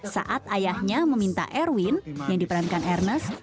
saat ayahnya meminta erwin yang diperankan ernest